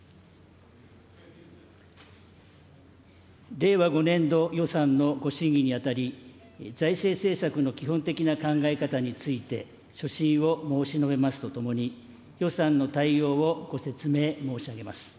令和５年度予算のご審議にあたり、財政政策の基本的な考え方について、所信を申し述べますとともに、予算の大要をご説明申し上げます。